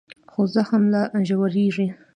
خو زخم لا ژورېږي.